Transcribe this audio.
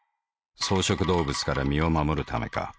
草食動物から身を護るためか。